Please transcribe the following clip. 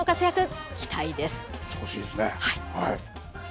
調子いいですね。